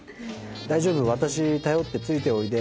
大丈夫頼ってついておいで！